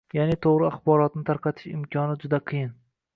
Yaʼni toʻgʻri axborotni tarqatish imkoni juda qiyin